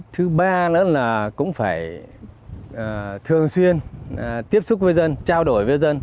thứ ba nữa là cũng phải thường xuyên tiếp xúc với dân trao đổi với dân